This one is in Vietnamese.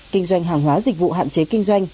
kinh doanh hàng hóa dịch vụ hạn chế kinh doanh